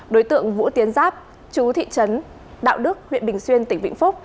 đối tượng vũ tiến giáp chú thị trấn đạo đức huyện bình xuyên tỉnh vĩnh phúc